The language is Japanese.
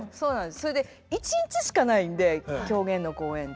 それで１日しかないんで狂言の公演て。